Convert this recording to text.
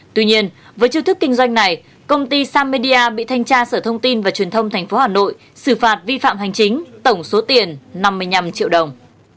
tuy nhiên với chiêu thức kinh doanh này công ty samedia bị thanh tra sở thông tin và truyền thông tp hà nội xử phạt vi phạm hành chính tổng số tiền năm mươi năm triệu đồng